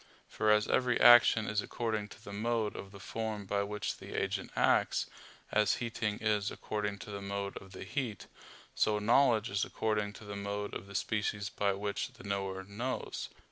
For as every action is according to the mode of the form by which the agent acts, as heating is according to the mode of the heat; so knowledge is according to the mode of the species by which the knower knows.